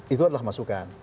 itu adalah masukan